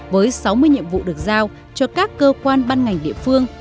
với sáu mươi nhiệm vụ được giao cho các cơ quan ban ngành địa phương